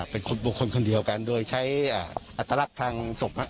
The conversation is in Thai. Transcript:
เป็นบุคคลคนเดียวกันโดยใช้อัตลักษณ์ทางศพ